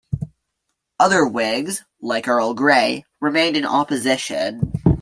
Other Whigs, like Earl Grey, remained in opposition.